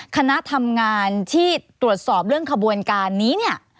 คณะทำงานที่ตรวจสอบเรื่องขบวนการนี้เนี่ย